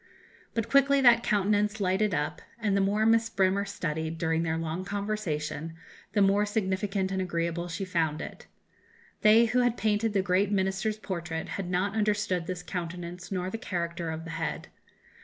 But quickly that countenance lighted up, and the more Miss Bremer studied, during their long conversation, the more significant and agreeable she found it. They who had painted the great Minister's portrait had not understood this countenance nor the character of the head.